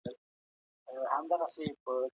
ټکنالوژي د هوا وړاندوينه دقيقه کوي.